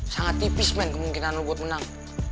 sangat tipis men kemungkinan lu buat menang